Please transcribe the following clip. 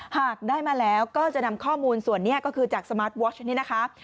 หากได้มาแล้วก็จะนำข้อมูลส่วนนี้ก็คือจากสมาร์ทวอชนี่นะคะ